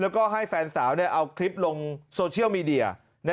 แล้วก็ให้แฟนสาวเอาคลิปลงโซเชียลมีเดีย